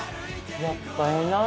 やっぱええなぁ